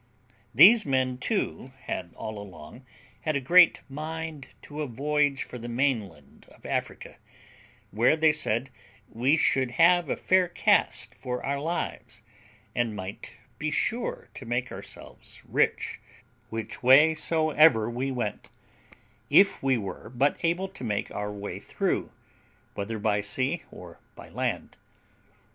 These men, too, had all along had a great mind to a voyage for the mainland of Africa, where they said we should have a fair cast for our lives, and might be sure to make ourselves rich, which way soever we went, if we were but able to make our way through, whether by sea or by land.